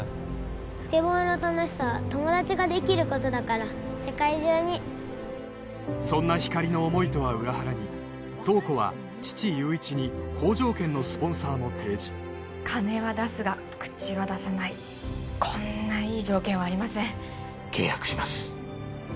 スケボーの楽しさは友達ができることだから世界中にそんなひかりの思いとは裏腹に塔子は父・悠一に好条件のスポンサーも提示金は出すが口は出さないこんないい条件はありません契約します